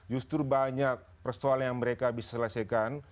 justru banyak persoalan yang mereka bisa selesaikan